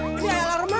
eh ini ayah larma